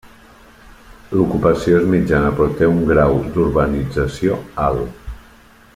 L'ocupació és mitjana però té un grau d'urbanització alt.